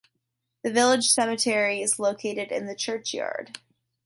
The village cemetery is located in the churchyard.